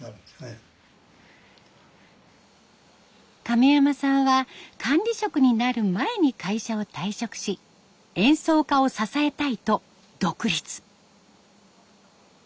亀山さんは管理職になる前に会社を退職し演奏家を支えたいと独立。